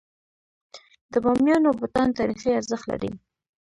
د بامیانو بتان تاریخي ارزښت لري.